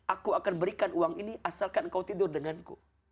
aku akan berikan uang ini asalkan kau tidur denganku